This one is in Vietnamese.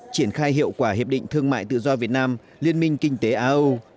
triển khai hiệu quả hiệp định thương mại tự do việt nam liên minh kinh tế a âu